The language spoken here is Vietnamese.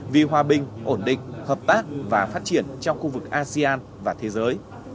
vì hòa bình ổn định hợp tác và phát triển trong khu vực asean và thế giới